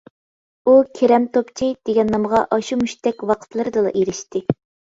ئۇ، «كېرەم توپچى» دېگەن نامغا ئاشۇ مۇشتەك ۋاقىتلىرىدىلا ئېرىشتى.